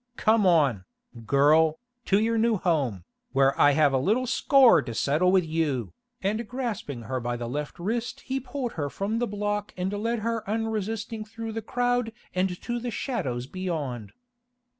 Come on, girl, to your new home, where I have a little score to settle with you," and grasping her by the left wrist he pulled her from the block and led her unresisting through the crowd and to the shadows beyond.